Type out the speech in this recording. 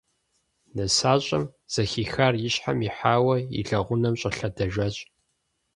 Нысащӏэм, зэхихар и щхьэм ихьауэ, и лэгъунэм щӏэлъэдэжащ.